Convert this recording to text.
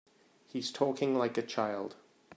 He's talking like a child.